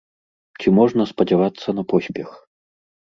Ці можна спадзявацца на поспех?